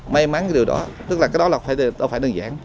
may mắn cái điều đó tức là cái đó là phải đơn giản